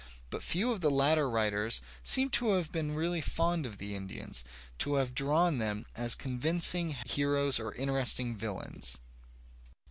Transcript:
But few of the later writers seem to have been really fond of the Indians, to have drawn them as convincing heroes or interesting villains.